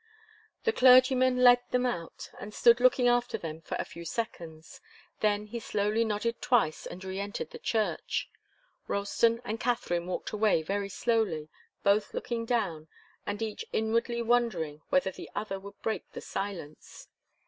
The clergyman let them out and stood looking after them for a few seconds. Then he slowly nodded twice and re entered the church. Ralston and Katharine walked away very slowly, both looking down, and each inwardly wondering whether the other would break the silence.